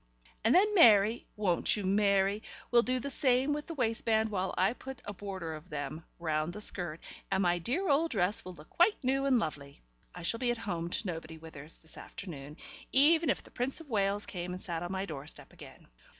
And then Mary won't you, Mary? will do the same with the waistband while I put a border of them round the skirt, and my dear old dress will look quite new and lovely. I shall be at home to nobody, Withers, this afternoon, even if the Prince of Wales came and sat on my doorstep again.